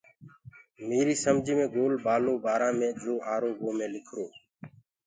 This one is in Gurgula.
ميريٚ سمجيٚ مي گول بآلو بآرآ مي جو آرو وو مي لِکرو